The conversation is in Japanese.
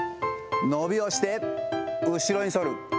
伸びをして、後ろに反る。